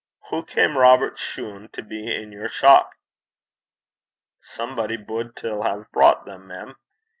'Hoo cam Robert's shune to be i' your shop?' 'Somebody bude till hae brocht them, mem.